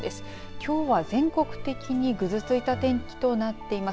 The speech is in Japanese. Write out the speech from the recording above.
きょうは全国的にぐずついた天気となっています。